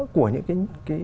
của những cái